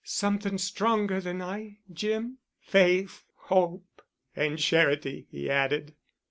"Something stronger than I, Jim. Faith, Hope——" "And Charity," he added.